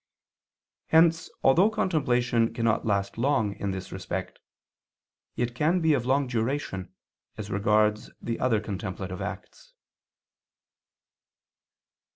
Hence although contemplation cannot last long in this respect, it can be of long duration as regards the other contemplative acts.